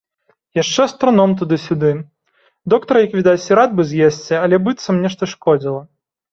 Яшчэ астраном туды-сюды, доктар, як відаць, і рад бы з'есці, але быццам нешта шкодзіла.